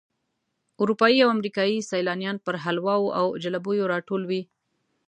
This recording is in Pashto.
اروپایي او امریکایي سیلانیان پر حلواو او جلبیو راټول وي.